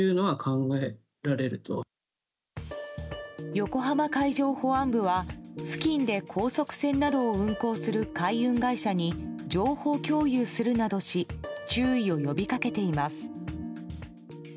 横浜海上保安部は付近で高速船などを運航する海運会社に情報共有するなどし注意を呼びかけています。